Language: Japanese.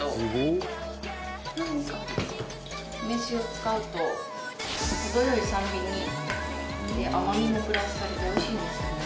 梅酒を使うと程良い酸味に甘みもプラスされておいしいんですよね。